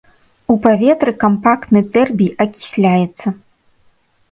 У паветры кампактны тэрбій акісляецца.